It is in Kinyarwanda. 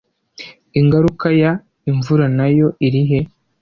Ingaruka ya imvura nayo irihe